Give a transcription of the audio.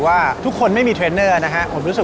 การแชร์ประสบการณ์